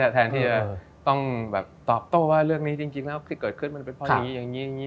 แทนที่จะต้องแบบตอบโต้ว่าเรื่องนี้จริงแล้วที่เกิดขึ้นมันเป็นเพราะอย่างนี้อย่างนี้